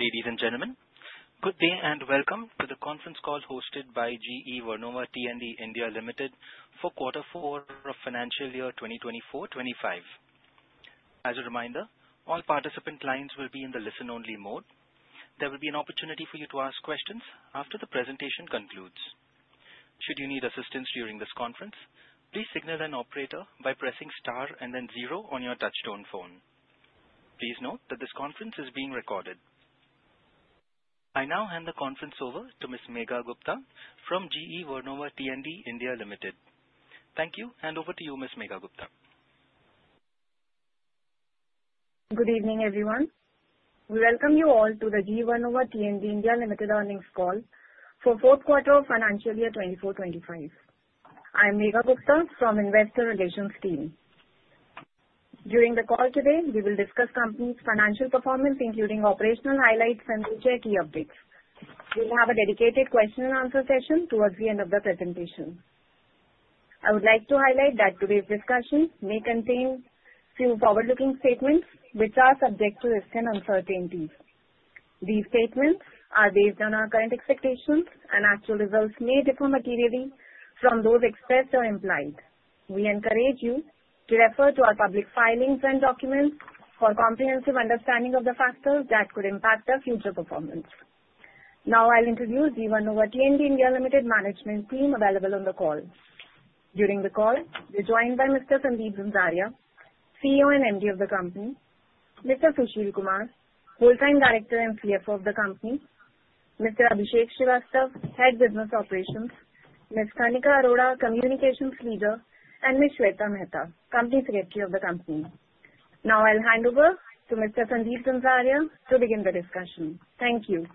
Ladies and gentlemen, good day and welcome to the conference call hosted by GE Vernova T&D India Limited for Q4 of financial year 2024-2025. As a reminder, all participant lines will be in the listen-only mode. There will be an opportunity for you to ask questions after the presentation concludes. Should you need assistance during this conference, please signal an operator by pressing star and then zero on your touchstone phone. Please note that this conference is being recorded. I now hand the conference over to Ms. Megha Gupta from GE Vernova T&D India Limited. Thank you, and over to you, Ms. Megha Gupta. Good evening, everyone. We welcome you all to the GE Vernova T&D India Limited earnings call for Q4 of financial year 2024-2025. I am Megha Gupta from the investor relations team. During the call today, we will discuss the company's financial performance, including operational highlights and key updates. We will have a dedicated question-and-answer session towards the end of the presentation. I would like to highlight that today's discussion may contain a few forward-looking statements, which are subject to risk and uncertainty. These statements are based on our current expectations, and actual results may differ materially from those expressed or implied. We encourage you to refer to our public filings and documents for a comprehensive understanding of the factors that could impact our future performance. Now, I'll introduce the GE Vernova T&D India Limited management team available on the call. During the call, we're joined by Mr. Sandeep Zanzaria, CEO and MD of the company, Mr. Sushil Kumar, full-time Director and CFO of the company, Mr. Abhishek Shrivastava, Head Business Operations, Ms. Kanika Arora, Communications Leader, and Ms. Shweta Mehta, Company Secretary of the company. Now, I'll hand over to Mr. Sandeep Zanzaria to begin the discussion. Thank you.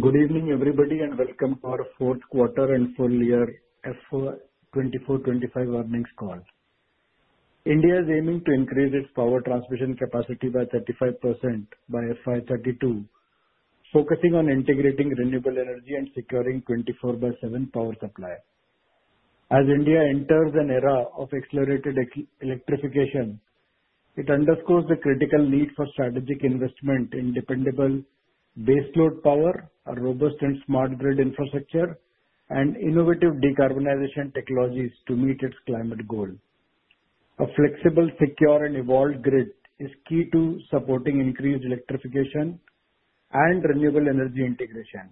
Good evening, everybody, and welcome to our Q4 and full-year FY24-25 earnings call. India is aiming to increase its power transmission capacity by 35% by FY32, focusing on integrating renewable energy and securing a 24/7 power supply. As India enters an era of accelerated electrification, it underscores the critical need for strategic investment in dependable baseload power, a robust and smart grid infrastructure, and innovative decarbonization technologies to meet its climate goals. A flexible, secure, and evolved grid is key to supporting increased electrification and renewable energy integration.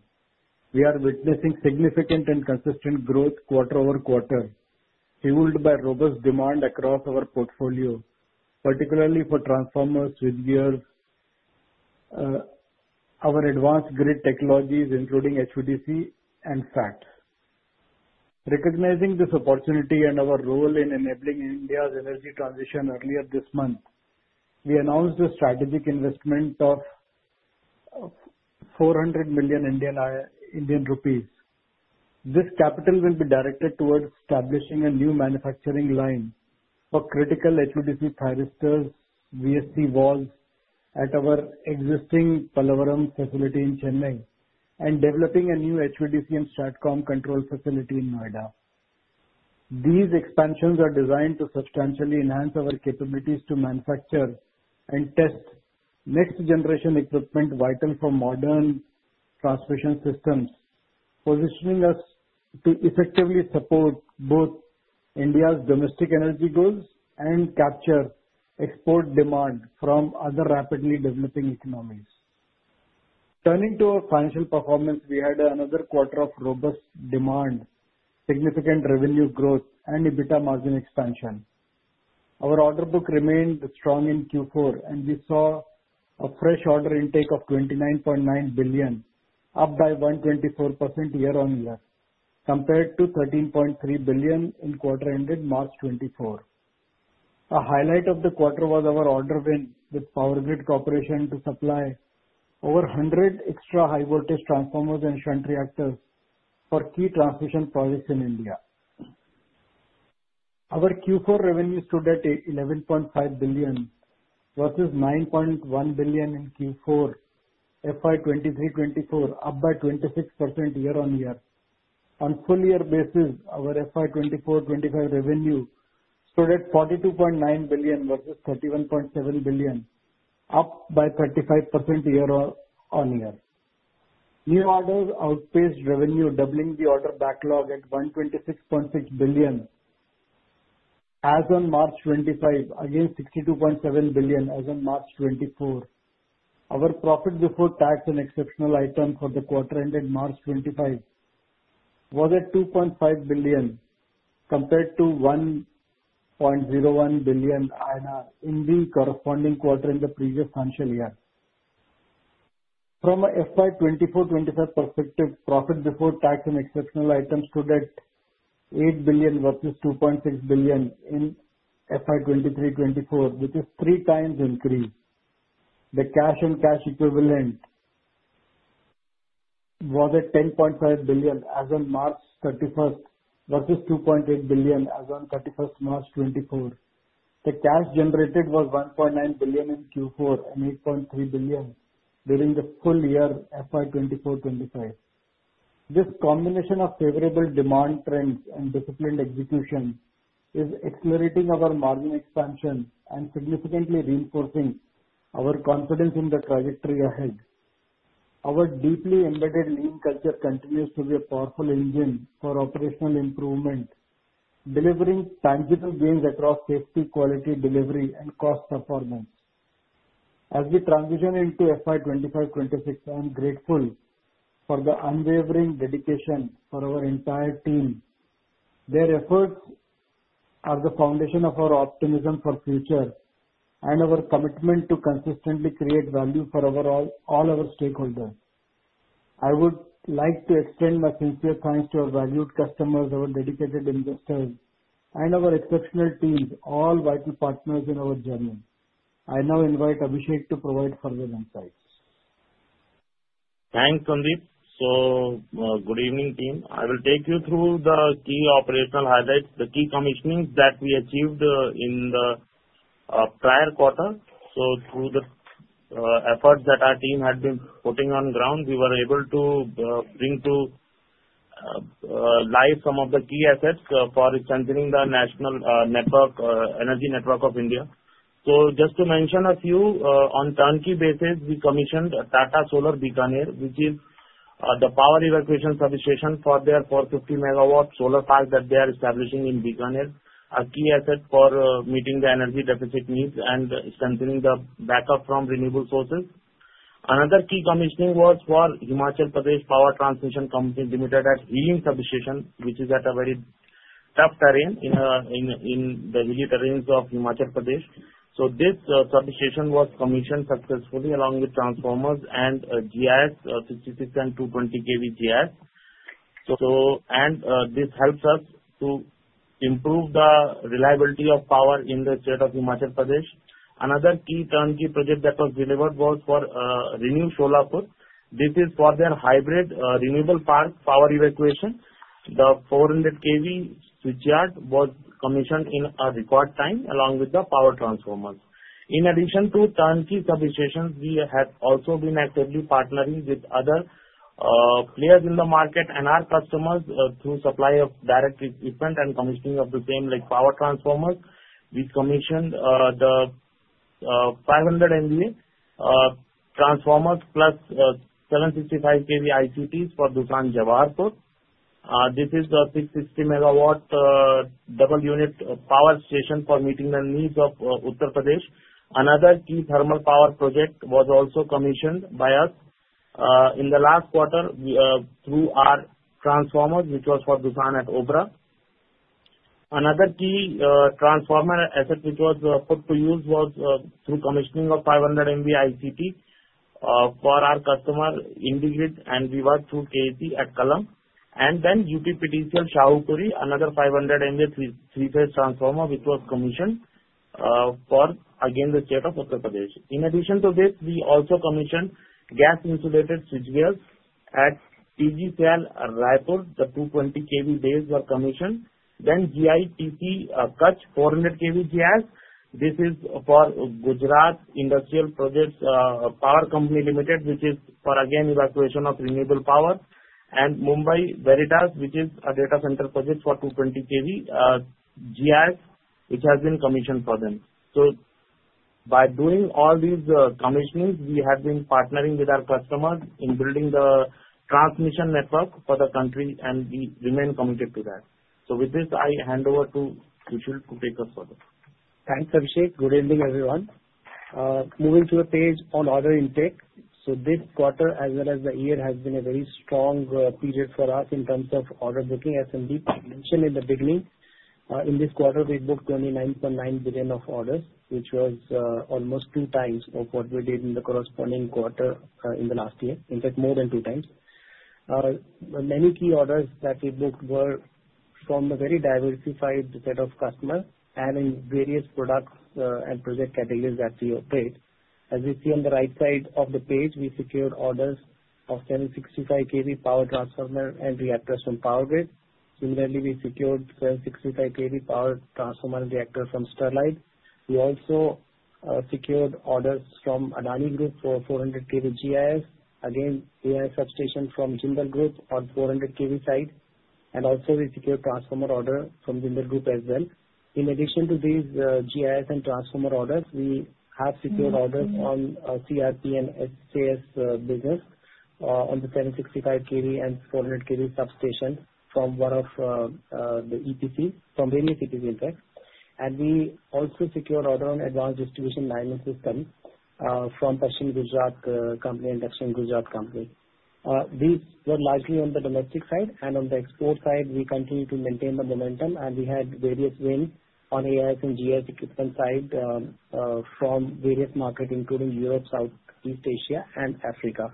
We are witnessing significant and consistent growth quarter over quarter, fueled by robust demand across our portfolio, particularly for transformers with gears, our advanced grid technologies, including HVDC and FACTS. Recognizing this opportunity and our role in enabling India's energy transition, earlier this month, we announced a strategic investment of 400 million Indian rupees. This capital will be directed towards establishing a new manufacturing line for critical HVDC thyristors, VSC valves at our existing Palavaram facility in Chennai, and developing a new HVDC and STATCOM control facility in Noida. These expansions are designed to substantially enhance our capabilities to manufacture and test next-generation equipment vital for modern transmission systems, positioning us to effectively support both India's domestic energy goals and capture export demand from other rapidly developing economies. Turning to our financial performance, we had another quarter of robust demand, significant revenue growth, and EBITDA margin expansion. Our order book remained strong in Q4, and we saw a fresh order intake of 29.9 billion, up by 124% year-on-year, compared to 13.3 billion in Q3, March 24. A highlight of the quarter was our order win with Power Grid Corporation to supply over 100 extra high-voltage transformers and shunt reactors for key transmission projects in India. Our Q4 revenues stood at 11.5 billion versus billion in Q4, FY23-24, up by 26% year-on-year. On a full-year basis, our FY 24-25 revenue stood at 42.9 billion versus 31.7 billion, up by 35% year-on-year. New orders outpaced revenue, doubling the order backlog at 126.6 billion as of March 25, against 62.7 billion as of March 24. Our profit before tax and exceptional items for the quarter ended March 5 was at 2.5 billion, compared to 1.01 billion INR in the corresponding quarter in the previous financial year. From an FY24-25 perspective, profit before tax and exceptional items stood at 8 billion versus 2.6 billion in FY 23-24, which is a three-times increase. The cash and cash equivalent was at 10.5 billion as of March 31 versus 2.8 billion as of March 31, 2024. The cash generated was 1.9 billion in Q4 and 8.3 billion during the full-year FY 24-25. This combination of favorable demand trends and disciplined execution is accelerating our margin expansion and significantly reinforcing our confidence in the trajectory ahead. Our deeply embedded lean culture continues to be a powerful engine for operational improvement, delivering tangible gains across safety, quality delivery, and cost performance. As we transition into FY25-26, I am grateful for the unwavering dedication of our entire team. Their efforts are the foundation of our optimism for the future and our commitment to consistently create value for all our stakeholders. I would like to extend my sincere thanks to our valued customers, our dedicated investors, and our exceptional teams, all vital partners in our journey. I now invite Abhishek to provide further insights. Thanks, Sandeep. Good evening, team. I will take you through the key operational highlights, the key commissionings that we achieved in the prior quarter. Through the efforts that our team had been putting on the ground, we were able to bring to life some of the key assets for strengthening the national energy network of India. Just to mention a few, on a turnkey basis, we commissioned Tata Power Solar Bikaner, which is the power evacuation substation for their 450 MW solar park that they are establishing in Bikaner, a key asset for meeting the energy deficit needs and strengthening the backup from renewable sources. Another key commissioning was for Himachal Pradesh Power Transmission Corporation Limited at Hilli Substation, which is at a very tough terrain in the hilly terrains of Himachal Pradesh. This substation was commissioned successfully along with transformers and 66 and 220 kV GIS. This helps us to improve the reliability of power in the state of Himachal Pradesh. Another key turnkey project that was delivered was for Renew Solar Food. This is for their hybrid renewable park power evacuation. The 400 kV switchyard was commissioned in a record time along with the power transformers. In addition to turnkey substations, we have also been actively partnering with other players in the market and our customers through supply of direct equipment and commissioning of the same power transformers. We commissioned the 500 MVA transformers plus 765 kV ICTs for Dushan Jawaharpur. This is a 660-megawatt double-unit power station for meeting the needs of Uttar Pradesh. Another key thermal power project was also commissioned by us in the last quarter through our transformers, which was for Dushan at Obra. Another key transformer asset, which was put to use, was through commissioning of 500 MVA ICT for our customer, IndiGrid and Viva through KSE at Kallam. UPPTCL Shahupuri, another 500 MVA three-phase transformer, was commissioned for, again, the state of Uttar Pradesh. In addition to this, we also commissioned gas-insulated switchgears at TGCL Raipur. The 220 kV bays were commissioned. GITC Kutch 400 kV GIS is for Gujarat Industrial Power Corporation Limited, which is for, again, evacuation of renewable power. Mumbai Veritas, which is a data center project for 220 kV GIS, has been commissioned for them. By doing all these commissionings, we have been partnering with our customers in building the transmission network for the country, and we remain committed to that. With this, I hand over to Sushil to take us further. Thanks, Abhishek. Good evening, everyone. Moving to the page on order intake. This quarter, as well as the year, has been a very strong period for us in terms of order booking. As Sandeep mentioned in the beginning, in this quarter, we booked 29.9 billion of orders, which was almost two times what we did in the corresponding quarter in the last year. In fact, more than two times. Many key orders that we booked were from a very diversified set of customers and in various products and project categories that we operate. As we see on the right side of the page, we secured orders of 765 kV power transformers and reactors from Power Grid. Similarly, we secured 765 kV power transformer and reactor from Sterlite. We also secured orders from Adani Group for 400 kV GIS. Again, AIS substation from Jindal Group on the 400 kV side. We secured transformer orders from Jindal Group as well. In addition to these GIS and transformer orders, we have secured orders on CRP and SCS business on the 765 kV and 400 kV substation from one of the EPCs from various EPCs. We also secured orders on advanced distribution management systems from Torrent Power and Dakshin Gujarat Vij Company Limited. These were largely on the domestic side. On the export side, we continue to maintain the momentum. We had various wins on AIS and GIS equipment side from various markets, including Europe, Southeast Asia, and Africa.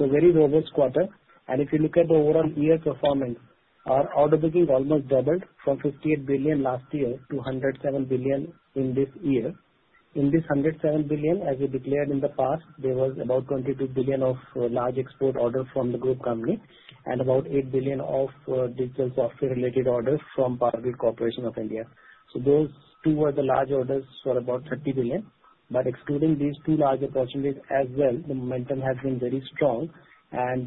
Very robust quarter. If you look at the overall year performance, our order booking almost doubled from 58 billion last year to 107 billion in this year. In this 107 billion, as we declared in the past, there was about 22 billion of large export orders from the group company and about 8 billion of digital software-related orders from Power Grid Corporation of India. Those two were the large orders for about 30 billion. Excluding these two large opportunities as well, the momentum has been very strong.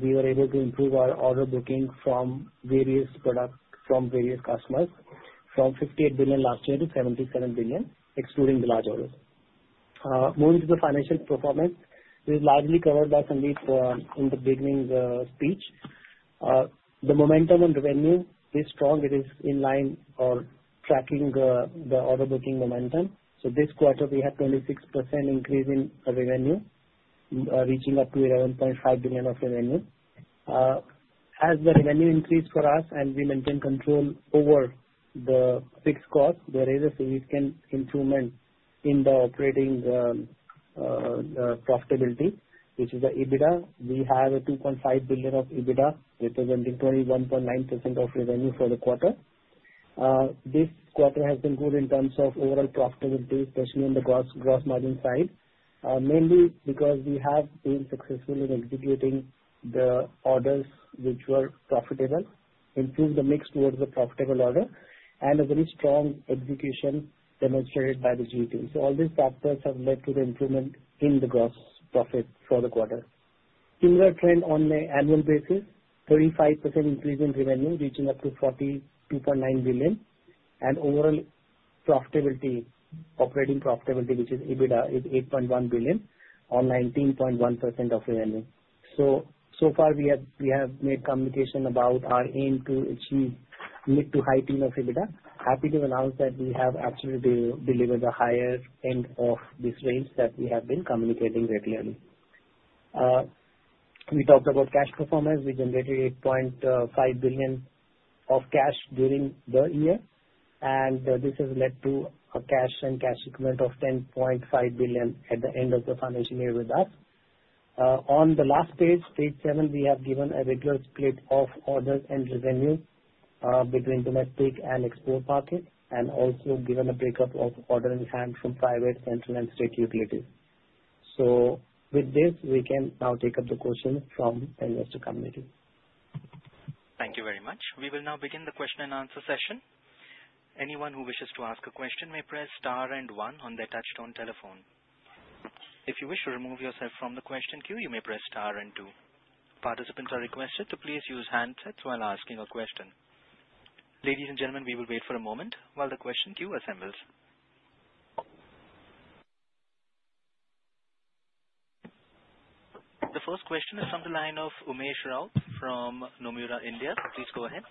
We were able to improve our order booking from various customers from 58 billion last year to 77 billion, excluding the large orders. Moving to the financial performance, we've largely covered that in the beginning speech. The momentum on revenue is strong. It is in line or tracking the order booking momentum. This quarter, we had a 26% increase in revenue, reaching up to 11.5 billion of revenue. As the revenue increased for us and we maintained control over the fixed cost, there is a significant improvement in the operating profitability, which is the EBITDA. We have 2.5 billion of EBITDA, representing 21.9% of revenue for the quarter. This quarter has been good in terms of overall profitability, especially on the gross margin side, mainly because we have been successful in executing the orders which were profitable, improved the mix towards the profitable order, and a very strong execution demonstrated by the GTA. All these factors have led to the improvement in the gross profit for the quarter. Similar trend on an annual basis, 35% increase in revenue, reaching up to 42.9 billion. Overall operating profitability, which is EBITDA, is 8.1 billion on 19.1% of revenue. So far, we have made communication about our aim to achieve mid to high tier of EBITDA. Happy to announce that we have actually delivered the higher end of this range that we have been communicating regularly. We talked about cash performance. We generated 8.5 billion of cash during the year. This has led to a cash and cash equivalent of 10.5 billion at the end of the financial year with us. On the last page, page seven, we have given a regular split of orders and revenue between domestic and export market and also given a breakup of order in hand from private, central, and state utilities. With this, we can now take up the questions from the investor community. Thank you very much. We will now begin the question and answer session. Anyone who wishes to ask a question may press star and one on their touchstone telephone. If you wish to remove yourself from the question queue, you may press star and two. Participants are requested to please use handsets while asking a question. Ladies and gentlemen, we will wait for a moment while the question queue assembles. The first question is from the line of Umesh Rao from Nomura, India. Please go ahead.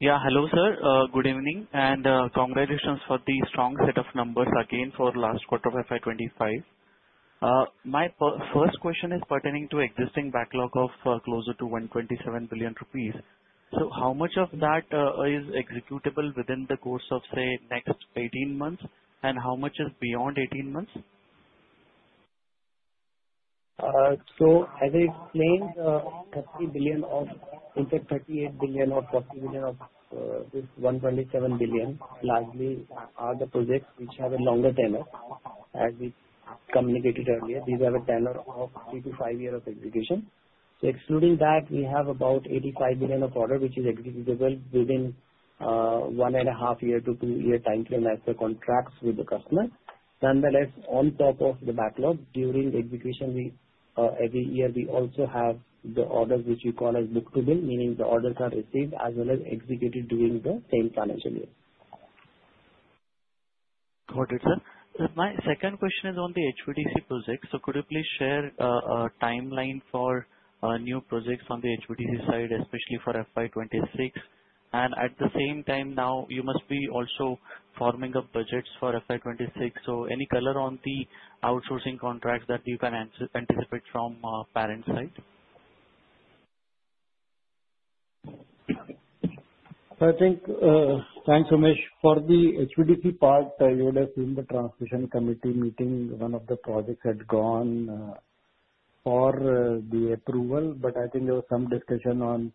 Yeah, hello, sir. Good evening and congratulations for the strong set of numbers again for last quarter of FY 2025. My first question is pertaining to existing backlog of closer to 127 billion rupees. How much of that is executable within the course of, say, next 18 months? And how much is beyond 18 months? As I explained, 30 billion, in fact, 38 billion or 40 billion of this 127 billion largely are the projects which have a longer tenor. As we communicated earlier, these have a tenor of three to five years of execution. Excluding that, we have about 85 billion of orders which are executable within one and a half year to two-year time frame as per contracts with the customer. Nonetheless, on top of the backlog, during the execution, every year, we also have the orders which we call as book to bill, meaning the orders are received as well as executed during the same financial year. Got it, sir. My second question is on the HVDC projects. Could you please share a timeline for new projects on the HVDC side, especially for FY26? At the same time, you must be also forming up budgets for FY26. Any color on the outsourcing contracts that you can anticipate from parent side? I think, thanks, Umesh, for the HVDC part, you would have seen the transmission committee meeting one of the projects had gone for the approval. I think there was some discussion on,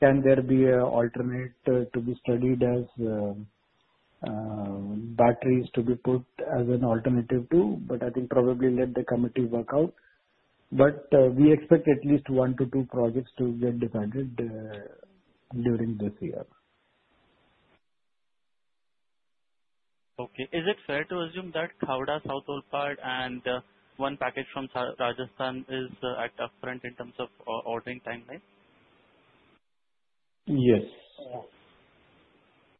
can there be an alternate to be studied as batteries to be put as an alternative to? I think probably let the committee work out. We expect at least one to two projects to get decided during this year. Okay. Is it fair to assume that Kavda, South Olpart, and one package from Rajasthan is at the front in terms of ordering timeline? Yes.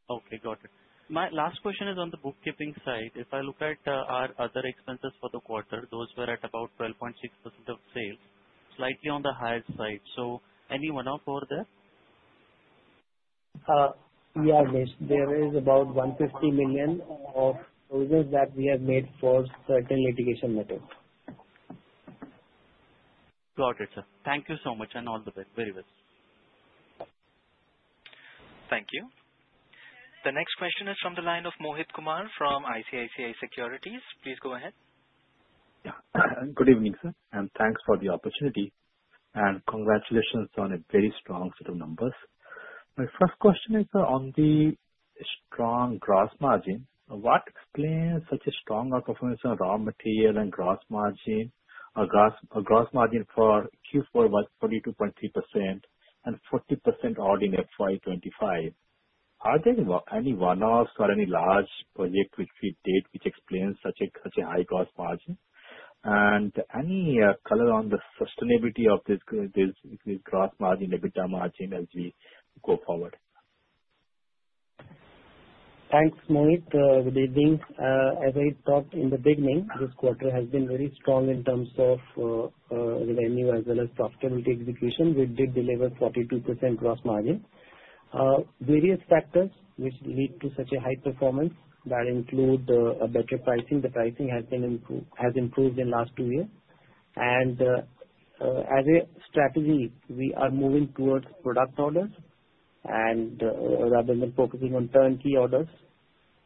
Okay, got it. My last question is on the bookkeeping side. If I look at our other expenses for the quarter, those were at about 12.6% of sales, slightly on the higher side. So, any one-off over there? Yeah, there is about $150 million of those that we have made for certain litigation matters. Got it, sir. Thank you so much and all the best. Very well. Thank you. The next question is from the line of Mohit Kumar from ICICI Securities. Please go ahead. Good evening, sir. Thanks for the opportunity. Congratulations on a very strong set of numbers. My first question is on the strong gross margin. What explains such a strong performance on raw material and gross margin? Gross margin for Q4 was 42.3% and 40% odd in FY25. Are there any one-offs or any large project which we did which explains such a high gross margin? Any color on the sustainability of this gross margin, EBITDA margin as we go forward? Thanks, Mohit. Good evening. As I talked in the beginning, this quarter has been very strong in terms of revenue as well as profitability execution. We did deliver 42% gross margin. Various factors which lead to such a high performance that include better pricing. The pricing has improved in the last two years. As a strategy, we are moving towards product orders rather than focusing on turnkey orders.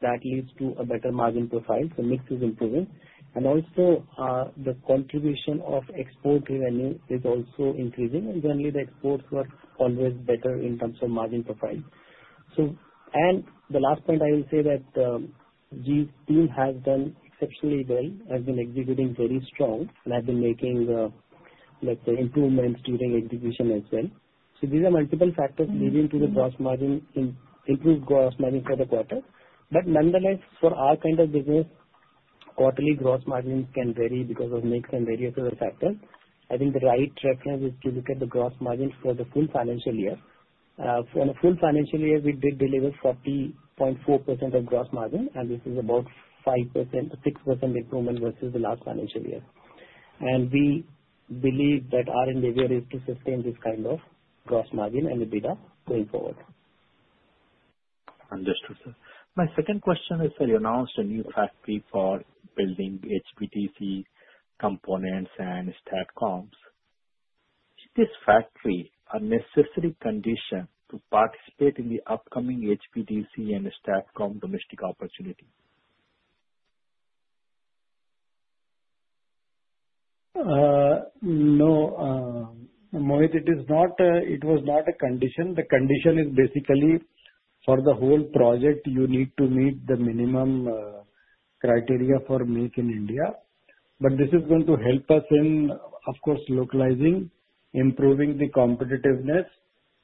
That leads to a better margin profile. The mix is improving. Also, the contribution of export revenue is also increasing. Generally, the exports were always better in terms of margin profile. The last point I will say is that the GE team has done exceptionally well, has been executing very strong, and has been making, let's say, improvements during execution as well. These are multiple factors leading to the gross margin, improved gross margin for the quarter. Nonetheless, for our kind of business, quarterly gross margins can vary because of mix and various other factors. I think the right reference is to look at the gross margin for the full financial year. For the full financial year, we did deliver 40.4% of gross margin. This is about 6% improvement versus the last financial year. We believe that our endeavor is to sustain this kind of gross margin and EBITDA going forward. Understood, sir. My second question is, you announced a new factory for building HVDC components and stacked comms. Is this factory a necessary condition to participate in the upcoming HVDC and stacked comm domestic opportunity? No, Mohit, it was not a condition. The condition is basically for the whole project, you need to meet the minimum criteria for Make in India. This is going to help us in, of course, localizing, improving the competitiveness,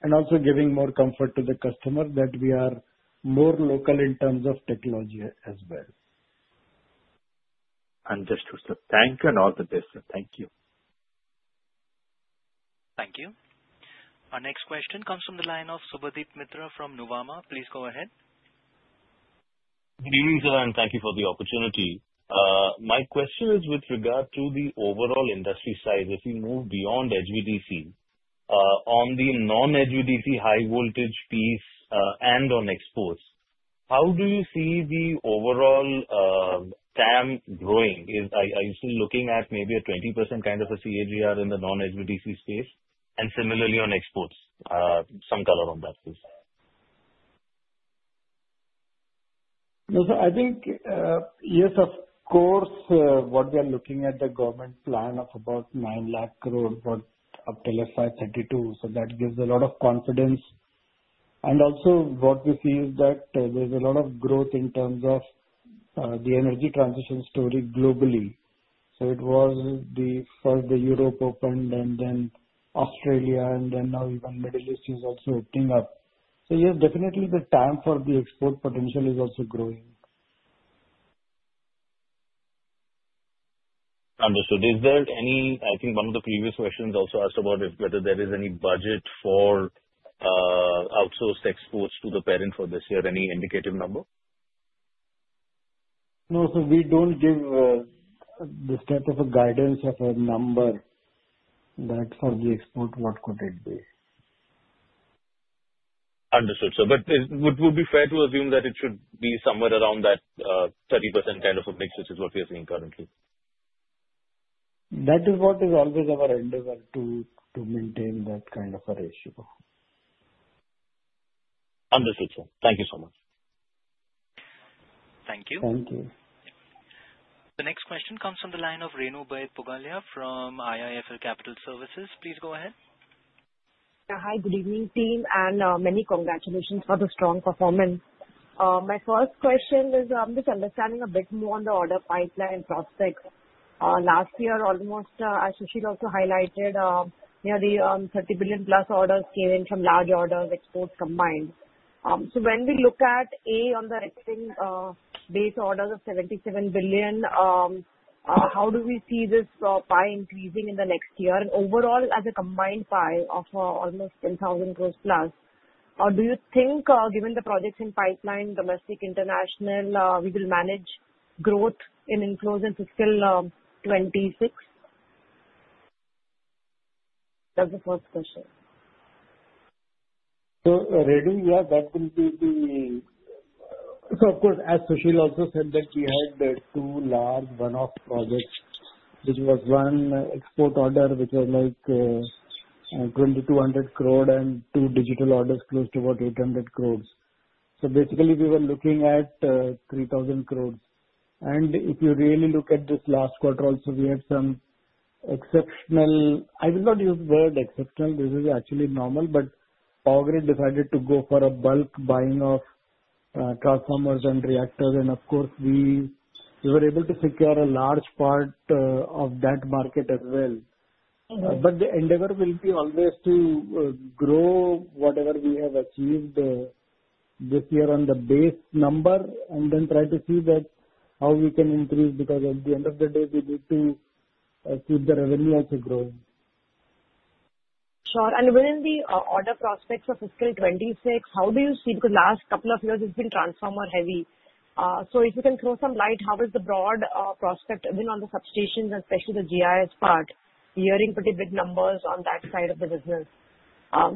and also giving more comfort to the customer that we are more local in terms of technology as well. Understood, sir. Thank you and all the best, sir. Thank you. Thank you. Our next question comes from the line of Subhadip Mitra from Nuvama. Please go ahead. Good evening, sir, and thank you for the opportunity. My question is with regard to the overall industry size. If we move beyond HVDC on the non-HVDC high voltage piece and on exports, how do you see the overall TAM growing? Are you still looking at maybe a 20% kind of a CAGR in the non-HVDC space? Similarly on exports, some color on that, please. No, sir, I think, yes, of course, what we are looking at is the government plan of about 9 lakh crore for up till FY2032. That gives a lot of confidence. Also, what we see is that there is a lot of growth in terms of the energy transition story globally. It was first, Europe opened, then Australia, and now even the Middle East is also opening up. Yes, definitely, the TAM for the export potential is also growing. Understood. Is there any, I think one of the previous questions also asked about whether there is any budget for outsourced exports to the parent for this year, any indicative number? No, sir, we don't give the type of a guidance of a number that for the export, what could it be. Understood, sir. Would it be fair to assume that it should be somewhere around that 30% kind of a mix, which is what we are seeing currently? That is what is always our endeavor to maintain that kind of a ratio. Understood, sir. Thank you so much. Thank you. Thank you. The next question comes from the line of Renu Baid Pogalia from IIFL Capital Services. Please go ahead. Hi, good evening, team. Many congratulations for the strong performance. My first question is, I'm just understanding a bit more on the order pipeline prospects. Last year, almost, as Sushil also highlighted, the 30 billion plus orders came in from large orders, exports combined. When we look at, A, on the export-based orders of 7.7 billion, how do we see this pie increasing in the next year? Overall, as a combined pie of almost 10,000 crore plus, do you think, given the projects in pipeline, domestic, international, we will manage growth in inflows in fiscal 2026? That's the first question. Renu, yeah, that will be the—of course, as Sushil also said, that we had two large one-off projects, which was one export order, which was like 2,200 crore, and two digital orders close to about 800 crore. Basically, we were looking at 3,000 crore. If you really look at this last quarter, also, we had some exceptional—I will not use the word exceptional. This is actually normal. Power Grid decided to go for a bulk buying of transformers and reactors. Of course, we were able to secure a large part of that market as well. The endeavor will be always to grow whatever we have achieved this year on the base number, and then try to see how we can increase because at the end of the day, we need to keep the revenue also growing. Sure. Within the order prospects for fiscal 2026, how do you see, because the last couple of years have been transformer-heavy? If you can throw some light, how is the broad prospect even on the substations, especially the GIS part? Hearing pretty big numbers on that side of the business.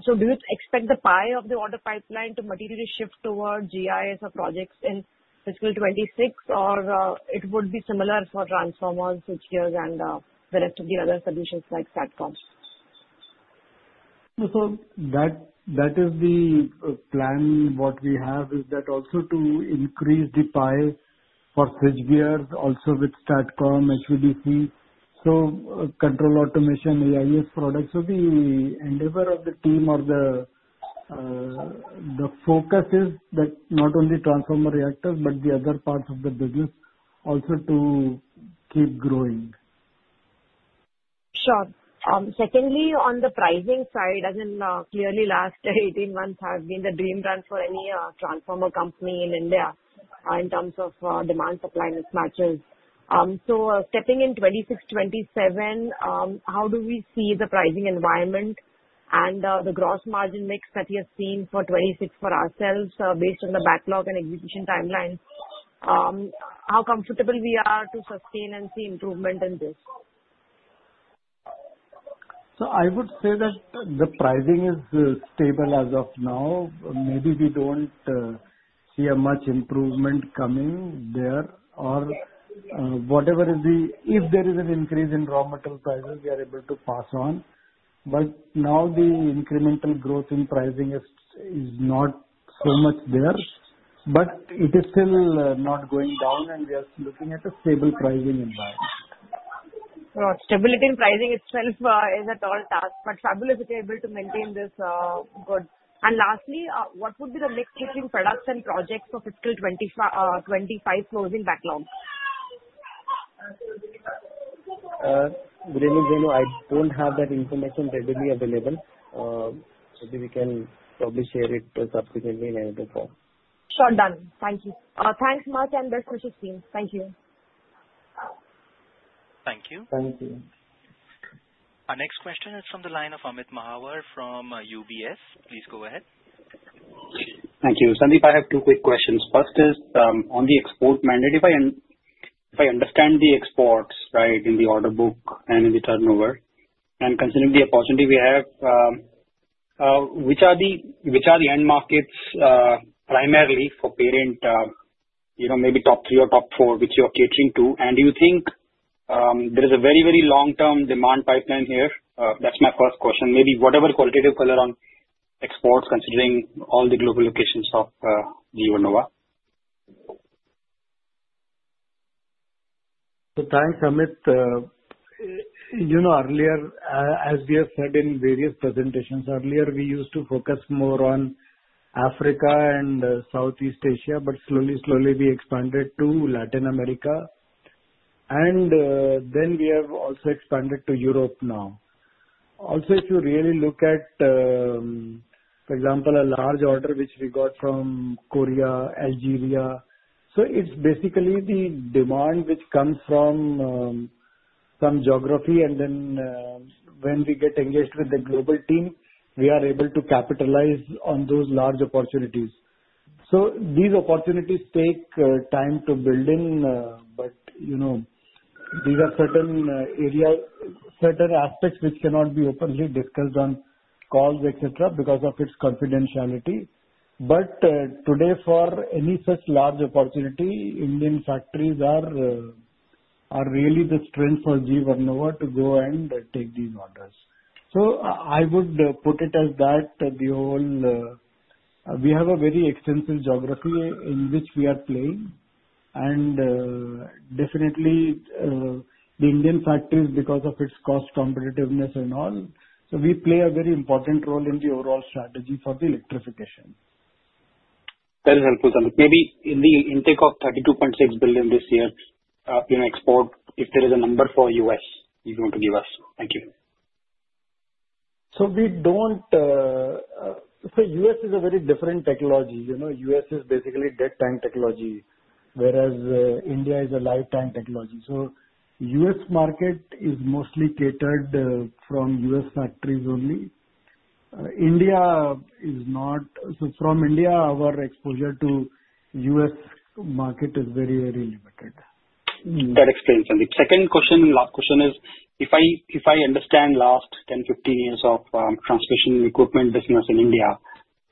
Do you expect the pie of the order pipeline to materially shift toward GIS or projects in fiscal 2026, or would it be similar for transformers, switchgears, and the rest of the other solutions like STATCOMs? That is the plan. What we have is that also to increase the pie for switchgears, also with STATCOMs, HVDC, so control automation, AIS products. The endeavor of the team or the focus is that not only transformer reactors, but the other parts of the business also to keep growing. Sure. Secondly, on the pricing side, as in clearly, last 18 months have been the dream brand for any transformer company in India in terms of demand-supply mismatches. Stepping in 2026, 2027, how do we see the pricing environment and the gross margin mix that we have seen for 2026 for ourselves based on the backlog and execution timeline? How comfortable are we to sustain and see improvement in this? I would say that the pricing is stable as of now. Maybe we do not see much improvement coming there. If there is an increase in raw material prices, we are able to pass on. Now the incremental growth in pricing is not so much there. It is still not going down, and we are looking at a stable pricing environment. Sure. Stability in pricing itself is a tall task. Fabulous if you're able to maintain this, good. Lastly, what would be the next switching products and projects for fiscal 2025 closing backlog? Renu, I don't have that information readily available. Maybe we can probably share it subsequently in any other form. Sure. Done. Thank you. Thanks much and best wishes, team. Thank you. Thank you. Thank you. Our next question is from the line of Amit Mahawar from UBS. Please go ahead. Thank you. Sandeep, I have two quick questions. First is on the export mandate. If I understand the exports right in the order book and in the turnover, and considering the opportunity we have, which are the end markets primarily for parent, maybe top three or top four which you're catering to? Do you think there is a very, very long-term demand pipeline here? That's my first question. Maybe whatever qualitative color on exports, considering all the global locations of GE Vernova. Thanks, Amit. Earlier, as we have said in various presentations earlier, we used to focus more on Africa and Southeast Asia, but slowly, slowly, we expanded to Latin America. And then we have also expanded to Europe now. Also, if you really look at, for example, a large order which we got from Korea, Algeria, so it's basically the demand which comes from some geography. And then when we get engaged with the global team, we are able to capitalize on those large opportunities. These opportunities take time to build in. These are certain aspects which cannot be openly discussed on calls, etc., because of its confidentiality. Today, for any such large opportunity, Indian factories are really the strength for GE Vernova T&D India to go and take these orders. I would put it as that the whole, we have a very extensive geography in which we are playing. Definitely, the Indian factories, because of its cost competitiveness and all, we play a very important role in the overall strategy for the electrification. Very helpful, Sandeep. Maybe in the intake of 32.6 billion this year, in export, if there is a number for U.S., you want to give us. Thank you. U.S. is a very different technology. U.S. is basically dead tank technology, whereas India is a live tank technology. U.S. market is mostly catered from U.S. factories only. India is not, so from India, our exposure to U.S. market is very, very limited. That explains it. Second question, and last question is, if I understand last 10-15 years of transmission equipment business in India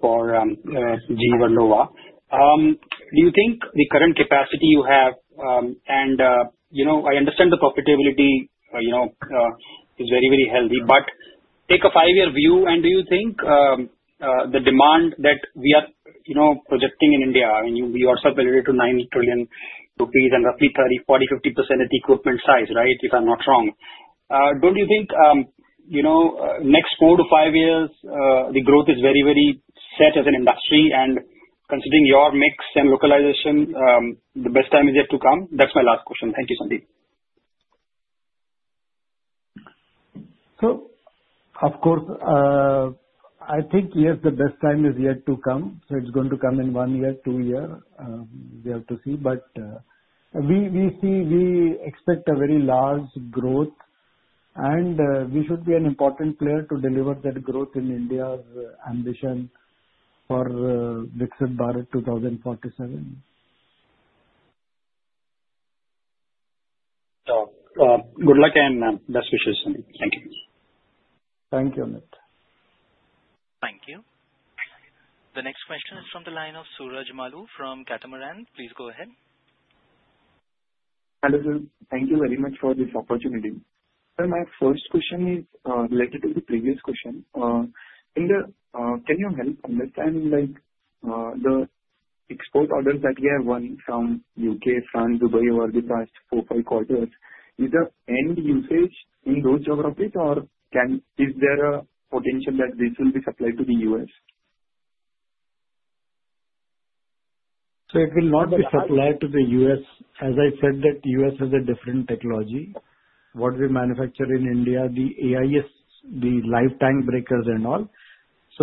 for GE Vernova, do you think the current capacity you have—and I understand the profitability is very, very healthy—take a five-year view, and do you think the demand that we are projecting in India, I mean, we also have valued it to 9 trillion rupees and roughly 30-40-50% of the equipment size, right, if I'm not wrong? Don't you think next four to five years, the growth is very, very set as an industry? Considering your mix and localization, the best time is yet to come. That's my last question. Thank you, Sandeep. Of course, I think yes, the best time is yet to come. It's going to come in one year, two years. We have to see. We expect a very large growth, and we should be an important player to deliver that growth in India's ambition for Viksit Bharat 2047. Sure. Good luck and best wishes, Sandeep. Thank you. Thank you, Amit. Thank you. The next question is from the line of Suraj Malu from Catamaran. Please go ahead. Hello sir. Thank you very much for this opportunity. Sir, my first question is related to the previous question. Can you help understand the export orders that we have won from the U.K., France, Dubai, over the past four, five quarters? Is there end usage in those geographies, or is there a potential that this will be supplied to the U.S.? It will not be supplied to the U.S. As I said, the U.S. has a different technology. What we manufacture in India, the AIS, the live tank breakers and all.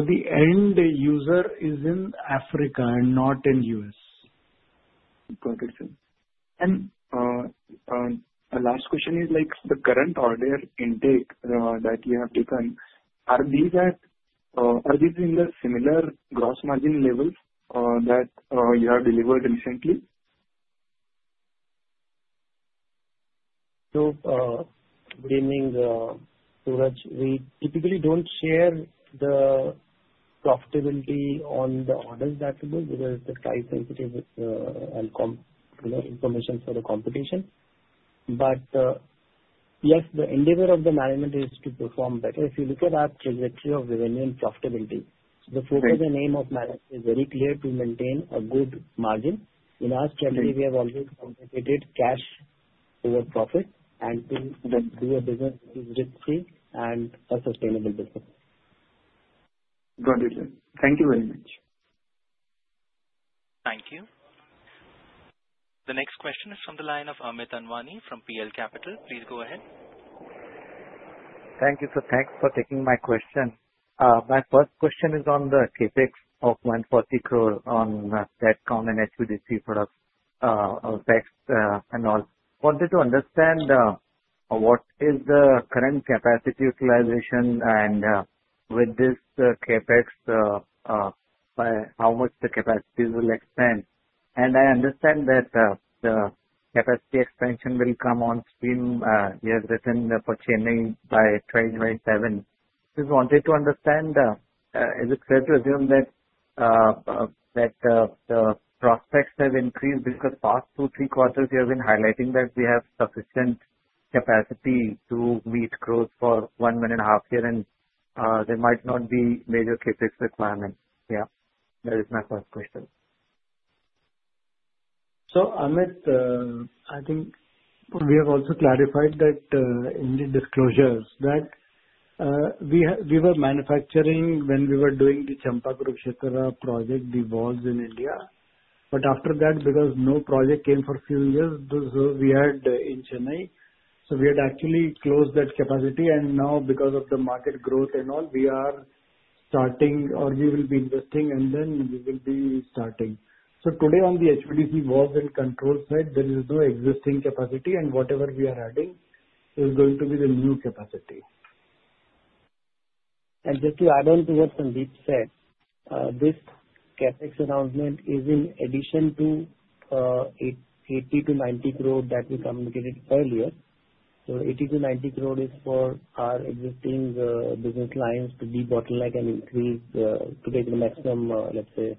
The end user is in Africa and not in the U.S. Got it, sir. My last question is, the current order intake that you have taken, are these in the similar gross margin levels that you have delivered recently? Good evening, Suraj. We typically don't share the profitability on the orders that we do because of the price sensitivity and information for the competition. Yes, the endeavor of the management is to perform better. If you look at our trajectory of revenue and profitability, the focus and aim of management is very clear to maintain a good margin. In our strategy, we have always complicated cash over profit and to do a business which is risk-free and a sustainable business. Got it, sir. Thank you very much. Thank you. The next question is from the line of Amit Anwani from PL Capital. Please go ahead. Thank you, sir. Thanks for taking my question. My first question is on the CapEx of 140 crore on stacked common HVDC products, Vex and all. I wanted to understand what is the current capacity utilization and with this CapEx, by how much the capacity will expand. I understand that the capacity expansion will come on stream here within Chennai by 2027. Just wanted to understand, is it fair to assume that the prospects have increased because past two, three quarters, you have been highlighting that we have sufficient capacity to meet growth for one and a half years, and there might not be major CapEx requirements. Yeah. That is my first question. Amit, I think we have also clarified that in the disclosures that we were manufacturing when we were doing the Champak Rukshetra project, the valves in India. After that, because no project came for a few years, we had in Chennai. We had actually closed that capacity. Now, because of the market growth and all, we are starting or we will be investing, and then we will be starting. Today, on the HVDC valves and control side, there is no existing capacity. Whatever we are adding is going to be the new capacity. Just to add on to what Sandeep said, this CapEx announcement is in addition to 80-90 crore that we communicated earlier. 80-90 crore is for our existing business lines to de-bottleneck and increase to take the maximum, let's say,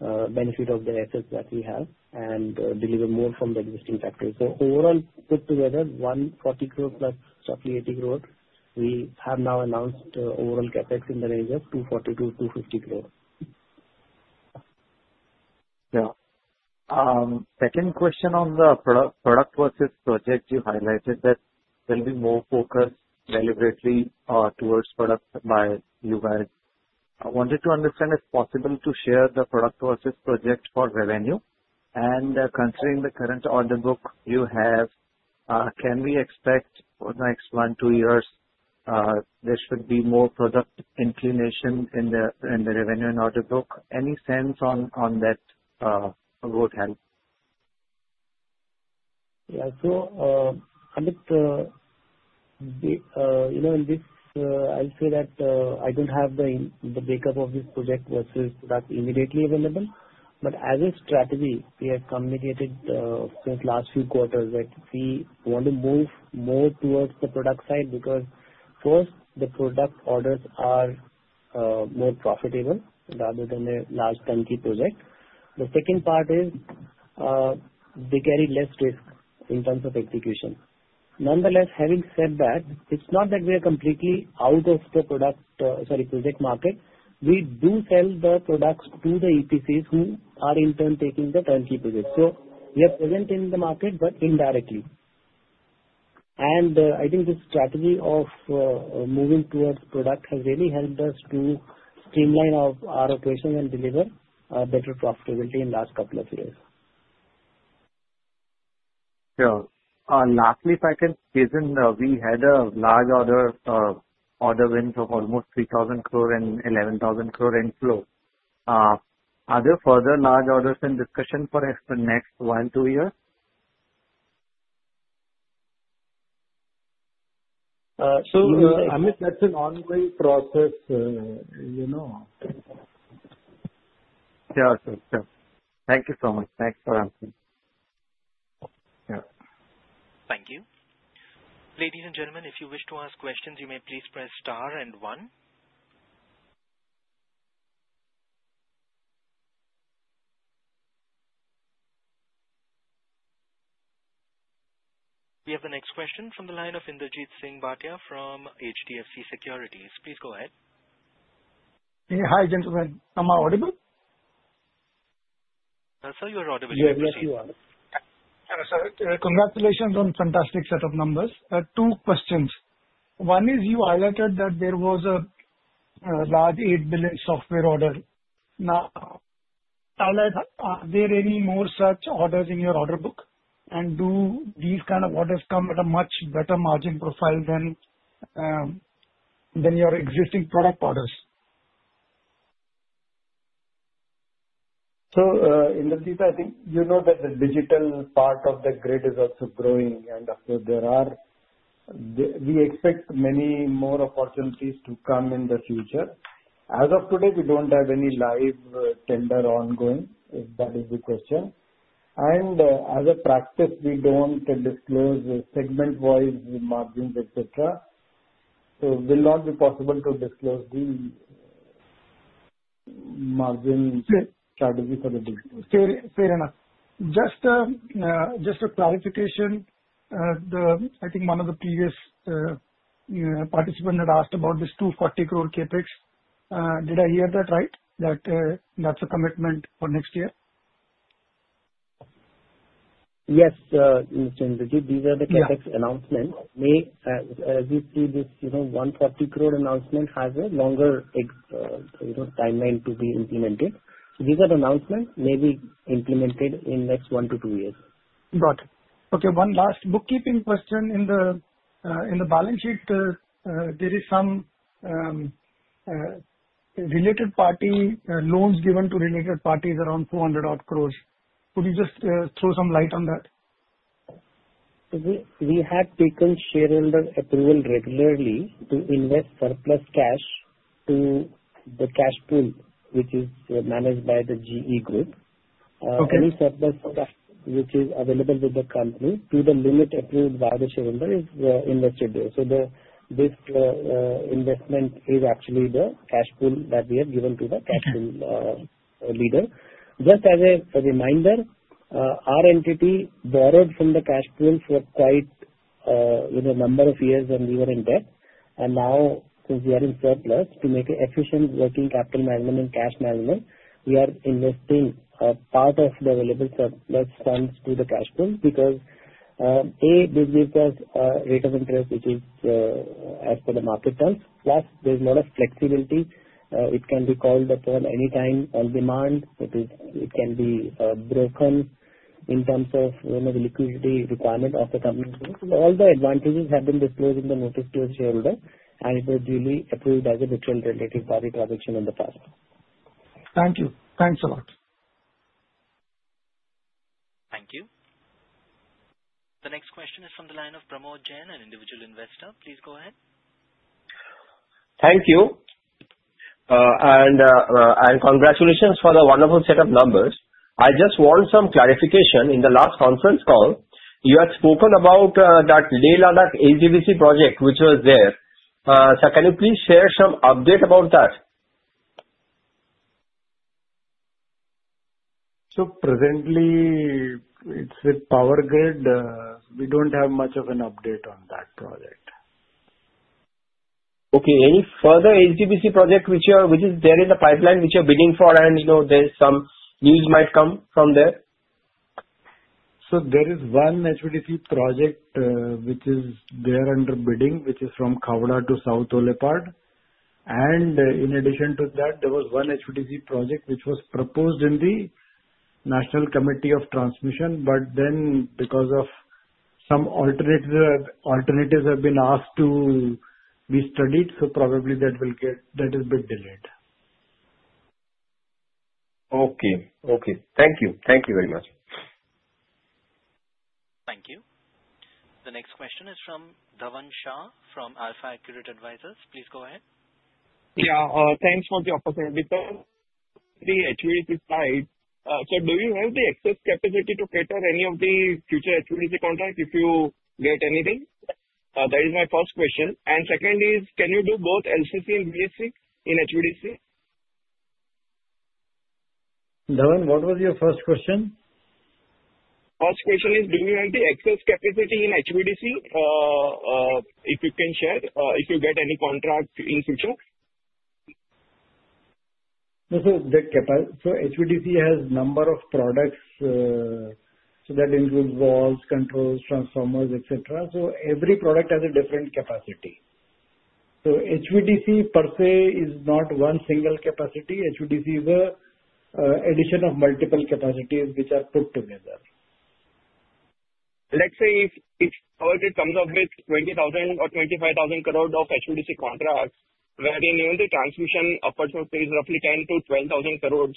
benefit of the assets that we have and deliver more from the existing factories. Overall, put together, 140 crore plus roughly 80 crore, we have now announced overall CapEx in the range of 240-250 crore. Yeah. Second question on the product versus project, you highlighted that there will be more focus deliberately towards product by you guys. I wanted to understand if possible to share the product versus project for revenue. Considering the current order book you have, can we expect for the next one to two years, there should be more product inclination in the revenue and order book? Any sense on that would help? Yeah. Amit, in this, I'll say that I don't have the breakup of this project versus product immediately available. As a strategy, we have communicated since the last few quarters that we want to move more towards the product side because, first, the product orders are more profitable rather than a large turnkey project. The second part is they carry less risk in terms of execution. Nonetheless, having said that, it's not that we are completely out of the project market. We do sell the products to the EPCs who are in turn taking the turnkey projects. We are present in the market, but indirectly. I think this strategy of moving towards product has really helped us to streamline our operations and deliver better profitability in the last couple of years. Yeah. Lastly, if I can hasten, we had a large order win of almost 3,000 crore and 11,000 crore in flow. Are there further large orders in discussion for the next one, two years? Amit, that's an ongoing process. Yeah. Sure. Thank you so much. Thanks for answering. Yeah. Thank you. Ladies and gentlemen, if you wish to ask questions, you may please press star and one. We have the next question from the line of Inderjit Singh Bhatia from HDFC Securities. Please go ahead. Hi, gentlemen. Am I audible? Sir, you're audible. Yes, you are. Sir, congratulations on fantastic set of numbers. Two questions. One is you highlighted that there was a large 8 billion software order. Now, are there any more such orders in your order book? Do these kind of orders come at a much better margin profile than your existing product orders? Inderjit, I think you know that the digital part of the grid is also growing. Of course, we expect many more opportunities to come in the future. As of today, we don't have any live tender ongoing, if that is the question. As a practice, we don't disclose segment-wise margins, etc. It will not be possible to disclose the margin strategy for the digital. Fair enough. Just a clarification, I think one of the previous participants had asked about this 240 crore CapEx. Did I hear that right, that that's a commitment for next year? Yes. So, Inderjit, these are the CapEx announcements. As you see, this 140 crore announcement has a longer timeline to be implemented. These are announcements that may be implemented in the next one to two years. Got it. Okay. One last bookkeeping question. In the balance sheet, there is some related party loans given to related parties around 400 crore. Could you just throw some light on that? We have taken shareholder approval regularly to invest surplus cash to the cash pool, which is managed by the GE Group. Any surplus cash which is available with the company to the limit approved by the shareholder is invested there. This investment is actually the cash pool that we have given to the cash pool leader. Just as a reminder, our entity borrowed from the cash pool for quite a number of years when we were in debt. Now, since we are in surplus, to make an efficient working capital management and cash management, we are investing part of the available surplus funds to the cash pool because, A, this gives us a rate of interest which is as per the market terms. Plus, there is a lot of flexibility. It can be called upon any time on demand. It can be broken in terms of the liquidity requirement of the company. All the advantages have been disclosed in the notice to the shareholder, and it was duly approved as a mutual related party transaction in the past. Thank you. Thanks a lot. Thank you. The next question is from the line of Pramod Jayan, an individual investor. Please go ahead. Thank you. Congratulations for the wonderful set of numbers. I just want some clarification. In the last conference call, you had spoken about that Leh Ladakh HVDC project which was there. Sir, can you please share some update about that? Presently, it's with Power Grid. We don't have much of an update on that project. Okay. Any further HVDC project which is there in the pipeline which you're bidding for, and there's some news might come from there? There is one HVDC project which is there under bidding, which is from Kavdar to South Olepar. In addition to that, there was one HVDC project which was proposed in the National Committee of Transmission, but then because some alternatives have been asked to be studied, so probably that has been delayed. Okay. Thank you. Thank you very much. Thank you. The next question is from Dhavan Shah from Alpha Accurate Advisors. Please go ahead. Yeah. Thanks for the opportunity. The HVDC side, do you have the excess capacity to cater any of the future HVDC contracts if you get anything? That is my first question. Second is, can you do both LCC and VSC in HVDC? Dhavan, what was your first question? First question is, do you have the excess capacity in HVDC, if you can share, if you get any contract in future? HVDC has a number of products. That includes valves, controls, transformers, etc. Every product has a different capacity. HVDC per se is not one single capacity. HVDC is an addition of multiple capacities which are put together. Let's say if it comes up with 20,000 crore or 25,000 crore of HVDC contracts, wherein the transmission opportunity is roughly 10,000-12,000 crore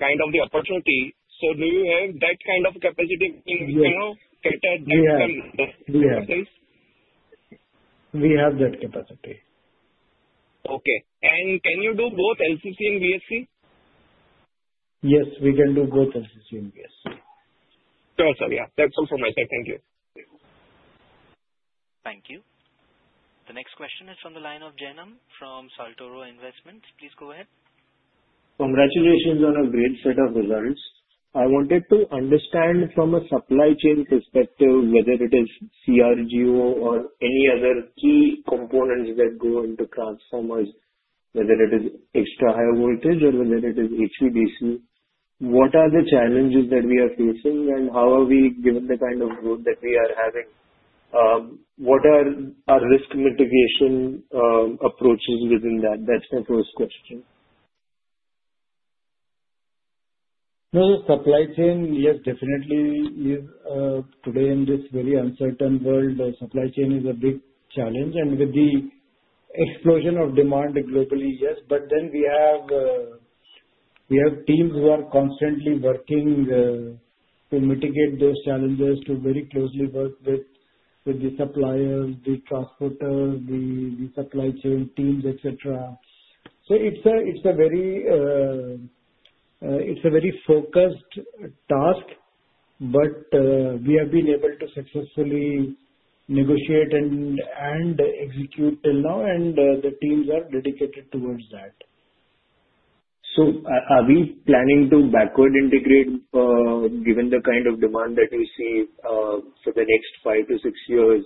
kind of the opportunity, do you have that kind of capacity to cater that kind of capacity? We have that capacity. Okay. Can you do both LCC and VSC? Yes. We can do both LCC and VSC. Sure, sir. Yeah. That's all from my side. Thank you. Thank you. The next question is from the line of Jayanam from Saltoro Investments. Please go ahead. Congratulations on a great set of results. I wanted to understand from a supply chain perspective, whether it is CRGO or any other key components that go into transformers, whether it is extra high voltage or whether it is HVDC, what are the challenges that we are facing, and how are we, given the kind of growth that we are having? What are risk mitigation approaches within that? That's my first question. No, the supply chain, yes, definitely. Today, in this very uncertain world, supply chain is a big challenge. With the explosion of demand globally, yes. We have teams who are constantly working to mitigate those challenges, to very closely work with the suppliers, the transporters, the supply chain teams, etc. It is a very focused task, but we have been able to successfully negotiate and execute till now, and the teams are dedicated towards that. Are we planning to backward integrate given the kind of demand that we see for the next five to six years?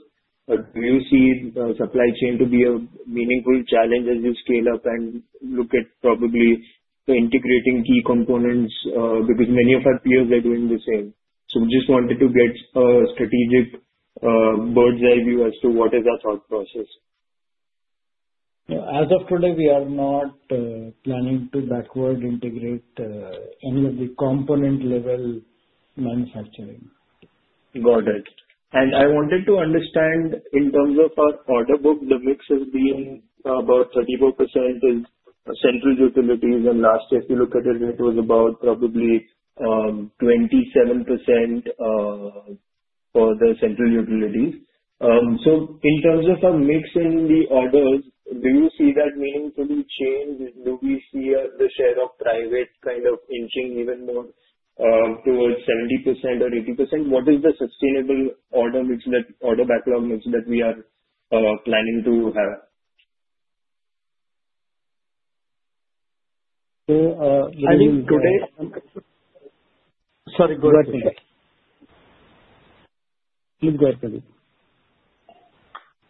Or do you see supply chain to be a meaningful challenge as you scale up and look at probably integrating key components because many of our peers are doing the same? We just wanted to get a strategic bird's eye view as to what is our thought process. As of today, we are not planning to backward integrate any of the component-level manufacturing. Got it. I wanted to understand in terms of our order book, the mix has been about 34% is central utilities, and last year, if you look at it, it was about probably 27% for the central utilities. In terms of our mix in the orders, do you see that meaningfully changed? Do we see the share of private kind of inching even more towards 70% or 80%? What is the sustainable order mix that order backlog mix that we are planning to have? I mean, today— Sorry, go ahead. Please go ahead, Sadhu.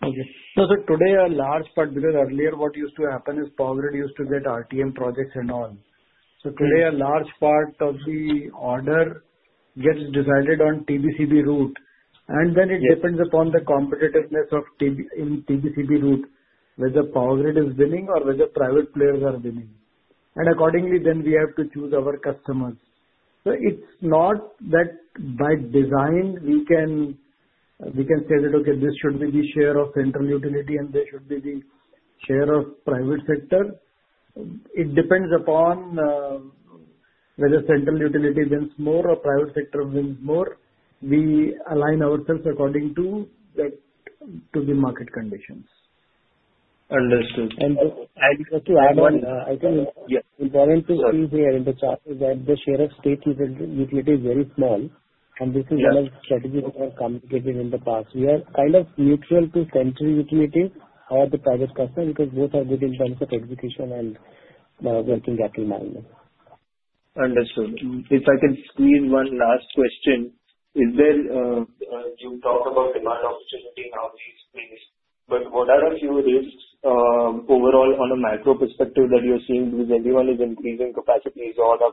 Okay. Today, a large part, because earlier, what used to happen is Power Grid used to get RTM projects and all. Today, a large part of the order gets decided on the TBCB route. It depends upon the competitiveness in the TBCB route, whether Power Grid is winning or whether private players are winning. Accordingly, we have to choose our customers. It is not that by design we can say, "Okay, this should be the share of central utility, and this should be the share of private sector." It depends upon whether central utility wins more or private sector wins more. We align ourselves according to the market conditions. Understood. I just want to add on. I think it's important to see here in the chart that the share of state utility is very small, and this is one of the strategies we have communicated in the past. We are kind of neutral to central utility or the private customer because both are good in terms of education and working capital management. Understood. If I can squeeze one last question, is there—you talked about demand opportunity, now these things, but what are a few risks overall on a macro perspective that you're seeing because everyone is increasing capacities, all our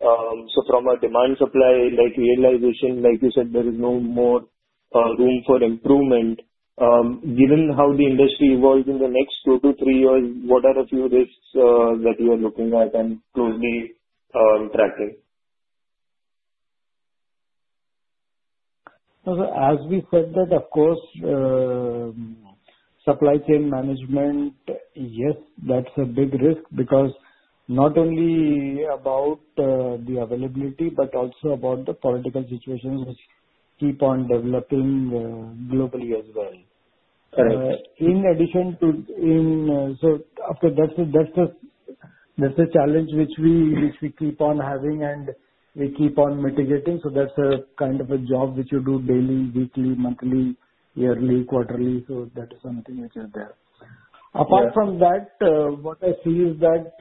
peers? From a demand-supply realization, like you said, there is no more room for improvement. Given how the industry evolves in the next two to three years, what are a few risks that you are looking at and closely tracking? As we said that, of course, supply chain management, yes, that's a big risk because not only about the availability but also about the political situations which keep on developing globally as well. In addition to—that's a challenge which we keep on having, and we keep on mitigating. That's a kind of a job which you do daily, weekly, monthly, yearly, quarterly. That is something which is there. Apart from that, what I see is that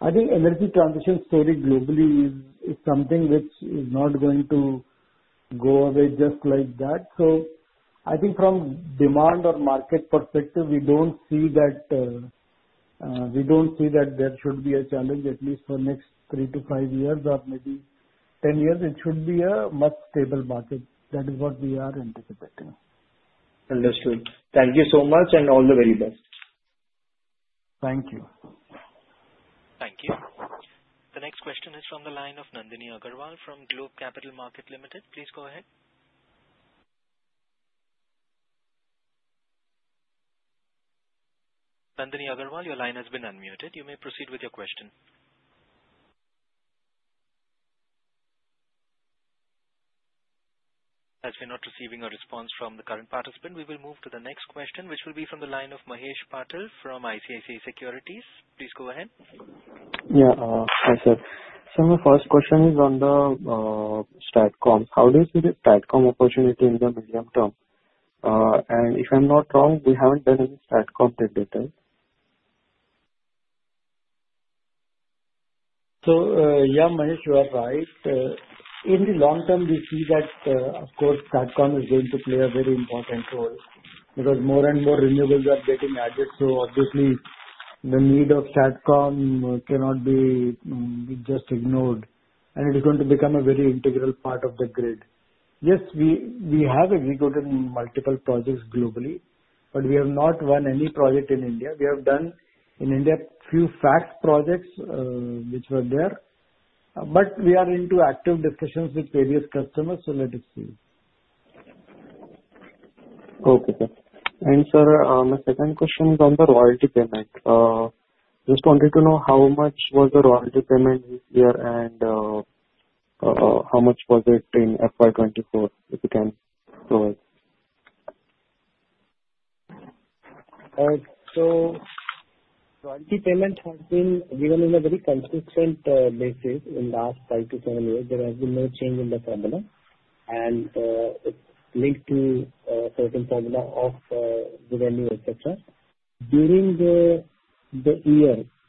I think energy transition story globally is something which is not going to go away just like that. I think from demand or market perspective, we don't see that there should be a challenge at least for the next three to five years or maybe 10 years. It should be a much stable market. That is what we are anticipating. Understood. Thank you so much, and all the very best. Thank you. Thank you. The next question is from the line of Nandini Agarwal from Globe Capital Markets Limited. Please go ahead. Nandini Agarwal, your line has been unmuted. You may proceed with your question. As we are not receiving a response from the current participant, we will move to the next question, which will be from the line of Mahesh Patil from ICICI Securities. Please go ahead. Yeah. Hi, sir. My first question is on the STATCOM. How do you see the STATCOM opportunity in the medium term? And if I'm not wrong, we haven't done any STATCOM till date. Yeah, Mahesh, you are right. In the long term, we see that, of course, STATCOM is going to play a very important role because more and more renewables are getting added. Obviously, the need of STATCOM cannot be just ignored. It is going to become a very integral part of the grid. Yes, we have executed multiple projects globally, but we have not won any project in India. We have done in India a few FACTS projects which were there, but we are into active discussions with various customers. Let us see. Okay, sir. Sir, my second question is on the royalty payment. Just wanted to know how much was the royalty payment this year and how much was it in FY 2024, if you can provide? Royalty payments have been given on a very consistent basis in the last five to seven years. There has been no change in the formula, and it's linked to a certain formula of revenue, etc. During the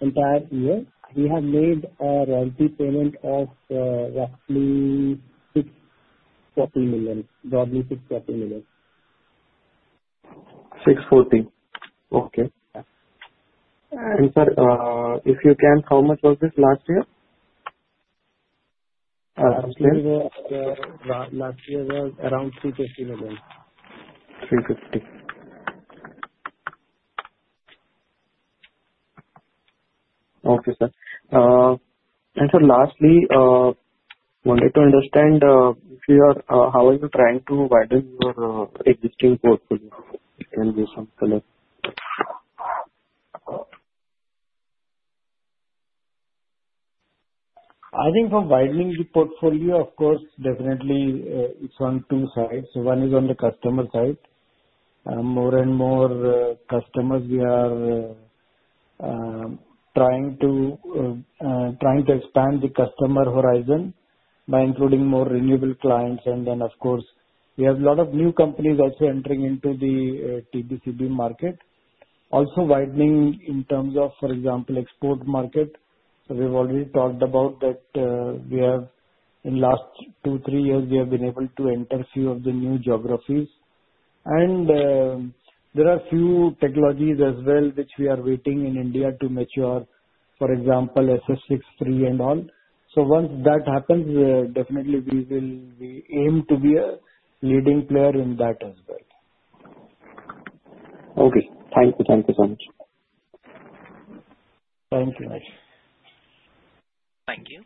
entire year, we have made a royalty payment of roughly 640 million, roughly 640 million. 640. Okay. Sir, if you can, how much was this last year? Last year was around 350 million. Okay, sir. Lastly, wanted to understand if you are, how are you trying to widen your existing portfolio? Can you give some color? I think for widening the portfolio, of course, definitely, it's on two sides. One is on the customer side. More and more customers, we are trying to expand the customer horizon by including more renewable clients. Of course, we have a lot of new companies also entering into the TBCB market. Also widening in terms of, for example, export market. We have already talked about that in the last two, three years, we have been able to enter a few of the new geographies. There are a few technologies as well which we are waiting in India to mature, for example, SF6-free and all. Once that happens, definitely, we will aim to be a leading player in that as well. Okay. Thank you. Thank you so much. Thank you, Mahesh. Thank you.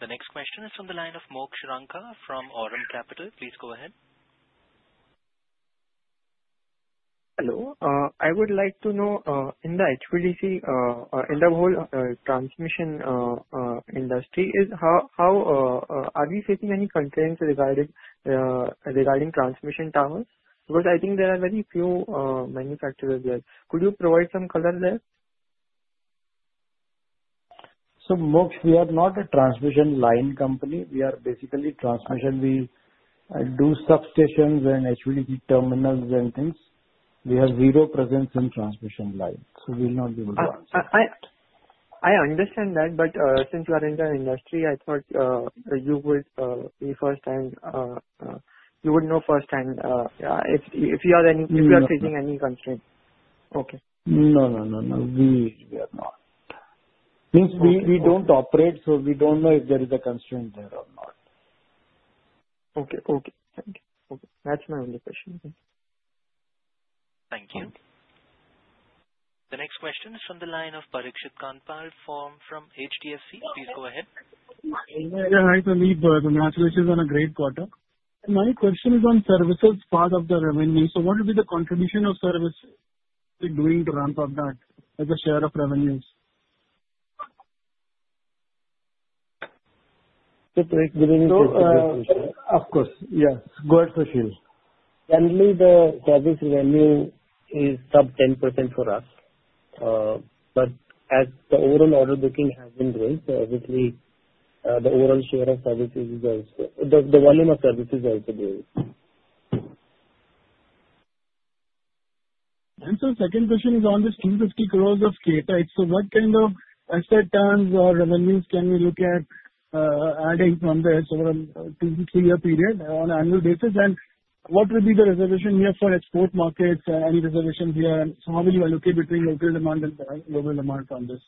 The next question is from the line of Moksh Ranka from Aurum Capital. Please go ahead. Hello. I would like to know, in the HVDC, in the whole transmission industry, are we facing any constraints regarding transmission towers? Because I think there are very few manufacturers there. Could you provide some color there? Moksh, we are not a transmission line company. We are basically transmission. We do substations and HVDC terminals and things. We have zero presence in transmission line. We will not be able to answer. I understand that, but since you are in the industry, I thought you would be first and you would know firsthand if you are facing any constraints. Okay. No, we are not. Okay. Means we don't operate, so we don't know if there is a constraint there or not. Okay. Okay. Thank you. Okay. That's my only question. Thank you. The next question is from the line of Parikshit Kanpal, Pharm from HDFC. Please go ahead. Yeah. Hi, Sadhu. Congratulations on a great quarter. My question is on services part of the revenue. What would be the contribution of services doing to ramp up that as a share of revenues? Parikshit, giving a quick question. Of course. Yes. Go ahead, Sadhu. Currently, the service revenue is sub 10% for us. As the overall order booking has been growing, the overall share of services, the volume of services, is also growing. Sir, the second question is on this 250 crore of KTIC. What kind of asset terms or revenues can we look at adding from there over a two- to three-year period on an annual basis? What will be the reservation here for export markets? Any reservations here? How will you allocate between local demand and global demand from this?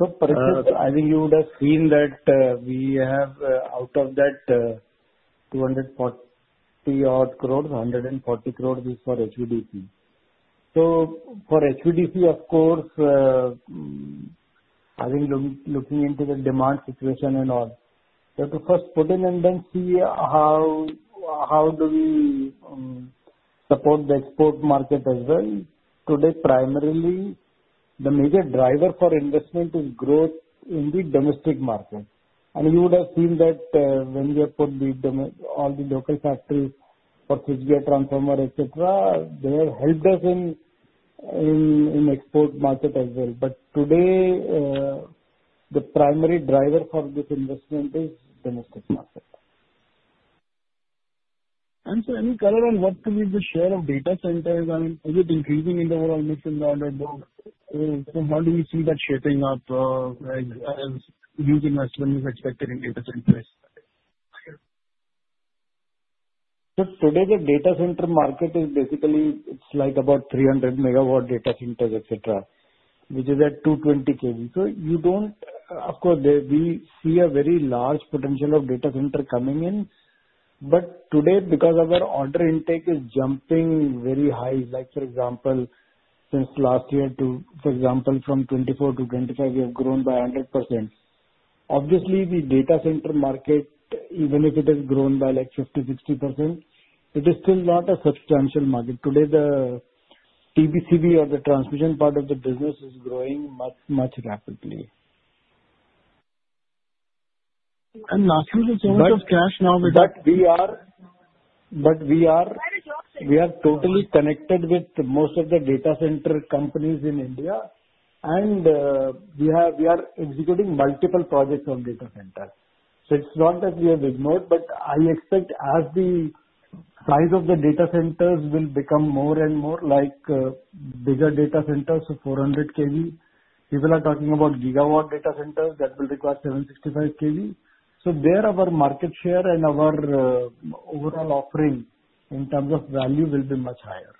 Parikshit, I think you would have seen that we have, out of that 240 crore, 140 crore is for HVDC. For HVDC, of course, I think looking into the demand situation and all, we have to first put in and then see how do we support the export market as well. Today, primarily, the major driver for investment is growth in the domestic market. You would have seen that when we have put all the local factories for switchgear, transformer, etc., they have helped us in export market as well. Today, the primary driver for this investment is the domestic market. Sir, any color on what could be the share of data centers? Is it increasing in the overall mix in the order book? How do you see that shaping up as huge investment is expected in data centers? Today, the data center market is basically, it's like about 300 megawatt data centers, etc., which is at 220 kV. You don't, of course, we see a very large potential of data center coming in. Today, because our order intake is jumping very high, like, for example, since last year, for example, from 2024 to 2025, we have grown by 100%. Obviously, the data center market, even if it has grown by like 50-60%, it is still not a substantial market. Today, the TBCB or the transmission part of the business is growing much, much rapidly. Lastly, the challenge of cash now with the. We are totally connected with most of the data center companies in India, and we are executing multiple projects on data centers. It's not that we have ignored, but I expect as the size of the data centers will become more and more like bigger data centers of 400 kV. People are talking about gigawatt data centers that will require 765 kV. There our market share and our overall offering in terms of value will be much higher.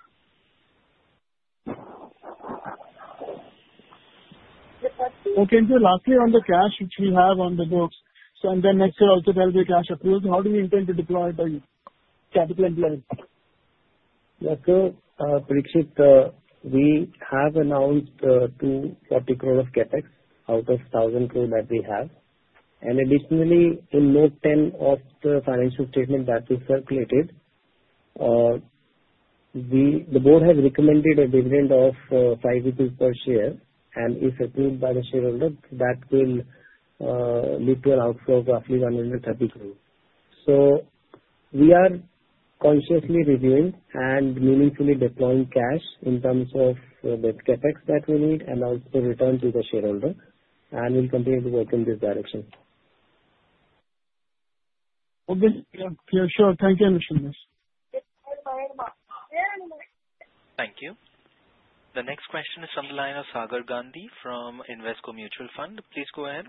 Okay. Sir, lastly, on the cash, which we have on the books, and then next year also there will be cash approvals, how do you intend to deploy the capital employment? Yes, sir. Parikshit, we have announced 240 crore of CapEx out of 1,000 crore that we have. Additionally, in Note 10 of the financial statement that we circulated, the board has recommended a dividend of 5 rupees per share. If approved by the shareholders, that will lead to an outflow of roughly 130 crore. We are consciously reviewing and meaningfully deploying cash in terms of the CapEx that we need and also return to the shareholder. We will continue to work in this direction. Okay. Yeah. Yeah. Sure. Thank you for sharing this. Thank you. The next question is from the line of Sagar Gandhi from Invesco Mutual Fund. Please go ahead.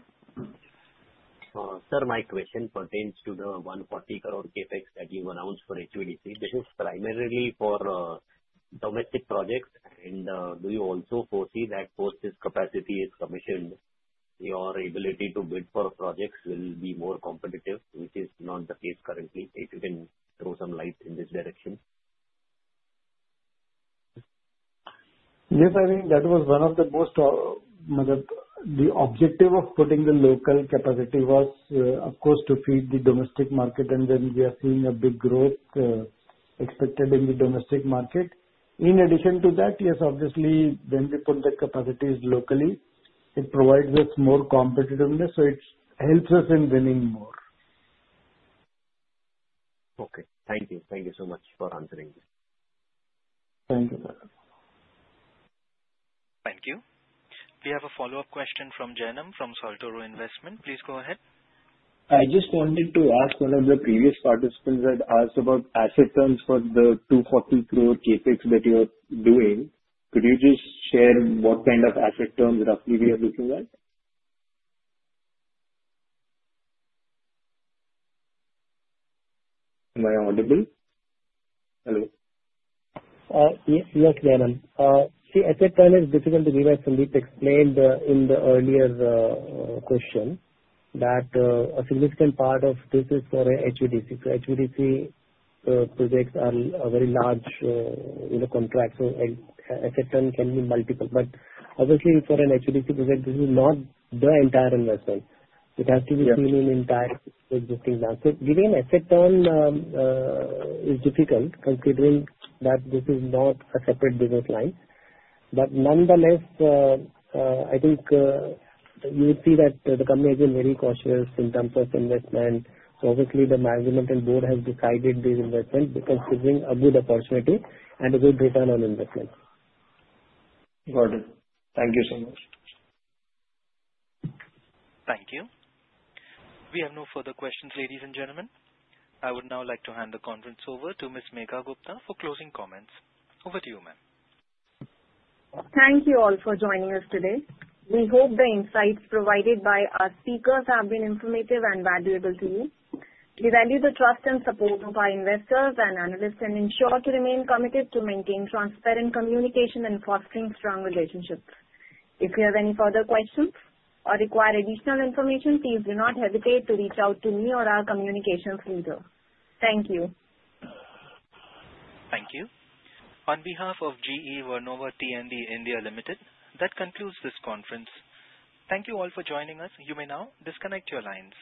Sir, my question pertains to the 140 crore CapEx that you announced for HVDC. This is primarily for domestic projects. Do you also foresee that post this capacity is commissioned, your ability to bid for projects will be more competitive, which is not the case currently? If you can throw some light in this direction. Yes, I think that was one of the most, the objective of putting the local capacity was, of course, to feed the domestic market. I think we are seeing a big growth expected in the domestic market. In addition to that, yes, obviously, when we put the capacities locally, it provides us more competitiveness. It helps us in winning more. Okay. Thank you. Thank you so much for answering this. Thank you, sir. Thank you. We have a follow-up question from Janam from Salturo Investment. Please go ahead. I just wanted to ask, one of the previous participants had asked about asset terms for the 240 crore CapEx that you are doing. Could you just share what kind of asset terms roughly we are looking at? Am I audible? Hello? Yes, Janam. See, asset term is difficult to give as Sandeep explained in the earlier question, that a significant part of this is for HVDC. HVDC projects are very large contracts. Asset term can be multiple. Obviously, for an HVDC project, this is not the entire investment. It has to be seen in entire existing now. Giving asset term is difficult considering that this is not a separate business line. Nonetheless, I think you would see that the company has been very cautious in terms of investment. Obviously, the management and board has decided this investment because it is giving a good opportunity and a good return on investment. Got it. Thank you so much. Thank you. We have no further questions, ladies and gentlemen. I would now like to hand the conference over to Ms. Megha Gupta for closing comments. Over to you, ma'am. Thank you all for joining us today. We hope the insights provided by our speakers have been informative and valuable to you. We value the trust and support of our investors and analysts and ensure to remain committed to maintain transparent communication and fostering strong relationships. If you have any further questions or require additional information, please do not hesitate to reach out to me or our communications leader. Thank you. Thank you. On behalf of GE Vernova T&D India Limited, that concludes this conference. Thank you all for joining us. You may now disconnect your lines.